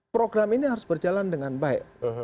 program ini harus berjalan dengan baik